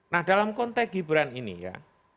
nah dalam konteks gibran ini ya